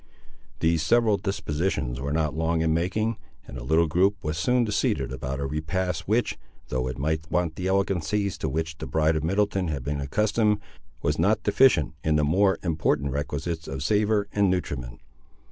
These several dispositions were not long in making, and the little group was soon seated about a repast which, though it might want the elegancies to which the bride of Middleton had been accustomed, was not deficient in the more important requisites of savour and nutriment.